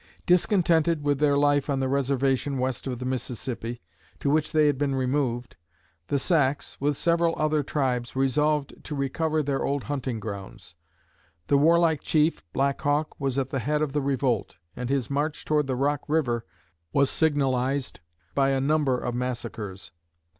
Discontented with their life on the reservation west of the Mississippi, to which they had been removed, the Sacs, with several other tribes, resolved to recover their old hunting grounds. The warlike chief, Black Hawk, was at the head of the revolt, and his march toward the Rock river was signalized by a number of massacres.